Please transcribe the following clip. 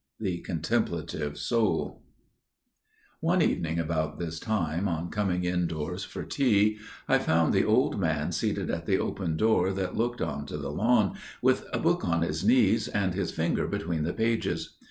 The Contemplative Soul. In the Convent Chapel ONE evening about this time, on coming indoors for tea, I found the old man seated at the open door that looked on to the lawn, with a book on his knees, and his finger between the pages.